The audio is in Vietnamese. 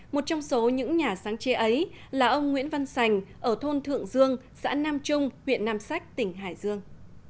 một trong số những nhà sáng chế ấy là ông nguyễn văn sành ở thôn thượng dương xã nam trung huyện nam sách tỉnh hải dương